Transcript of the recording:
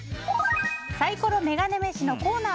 サイコロメガネ飯のコーナー